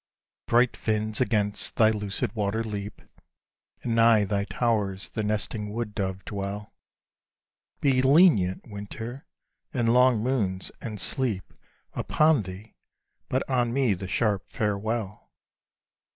Bright fins against thy lucid water leap, And nigh thy towers the nesting wood dove dwell; Be lenient winter, and long moons, and sleep Upon thee, but on me the sharp Farewell.